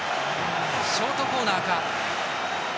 ショートコーナーか。